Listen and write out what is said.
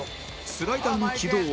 スライダーの軌道は